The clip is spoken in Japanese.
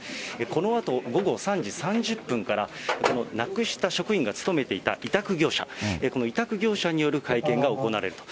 このあと午後３時３０分から、このなくした職員が勤めていた委託業者、この委託業者による会見が行われると。